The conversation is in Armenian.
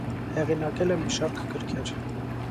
Հեղինակել է մի շարք գրքեր։